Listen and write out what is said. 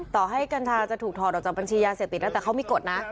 ต่อให้กัญชาจะถูกถอดออกจากบัญชียาเสพติดแล้วแต่เขามีกฎนะ